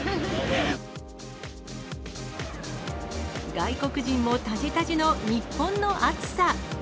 外国人もたじたじの日本の暑さ。